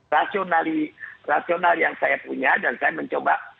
rasionali rasional yang saya punya dan saya mencoba